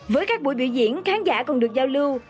với các buổi biểu diễn khán giả còn được giao lưu